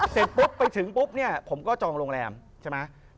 เสร็จปุ๊บไปถึงปุ๊บเนี่ยผมก็จองโรงแรมใช่ไหม